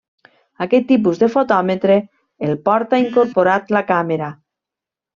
Aquest tipus de fotòmetre el porta incorporat la càmera.